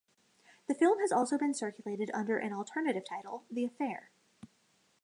The film has also been circulated under an alternative title, "The Affair".